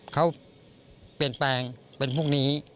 เขาเปลี่ยนแปลงเป็นพวกนี้